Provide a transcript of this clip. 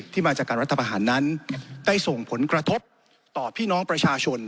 มาจากการรัฐประหารนั้นได้ส่งผลกระทบต่อพี่น้องประชาชน